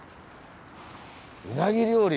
うなぎ料理。